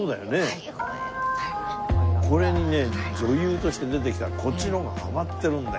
これにね女優として出てきたらこっちの方がハマってるんだよ